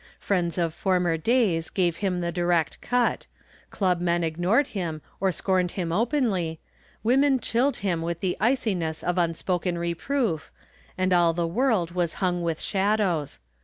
Friends of former days gave him the cut direct, clubmen ignored him or scorned him openly, women chilled him with the iciness of unspoken reproof, and all the world was hung with shadows.